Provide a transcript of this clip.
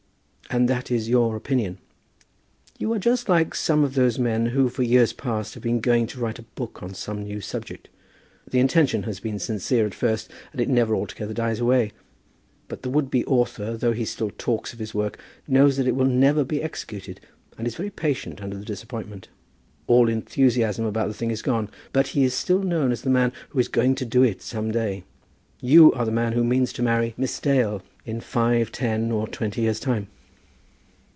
"And that is your opinion?" "You are just like some of those men who for years past have been going to write a book on some new subject. The intention has been sincere at first, and it never altogether dies away. But the would be author, though he still talks of his work, knows that it will never be executed, and is very patient under the disappointment. All enthusiasm about the thing is gone, but he is still known as the man who is going to do it some day. You are the man who means to marry Miss Dale in five, ten, or twenty years' time."